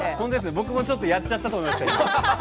僕もやっちゃったと思いました。